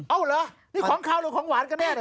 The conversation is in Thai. เหรอนี่ของขาวหรือของหวานกันแน่